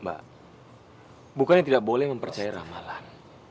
mbak bukan yang tidak boleh mempercaya ramalan